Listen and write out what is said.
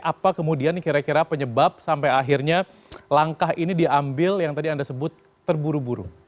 apa kemudian kira kira penyebab sampai akhirnya langkah ini diambil yang tadi anda sebut terburu buru